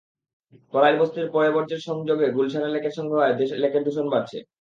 কড়াইল বস্তির পয়োবর্জ্যের সংযোগ গুলশানে লেকের সঙ্গে হওয়ায় লেকের দূষণ বাড়ছে।